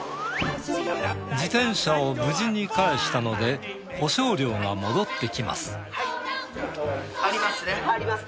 自転車を無事に返したので保証料が戻ってきます。